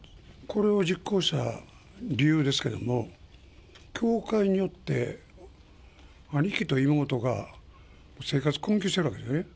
これを実行した理由ですけども、教会によって兄貴と妹が、生活困窮してるわけですよね。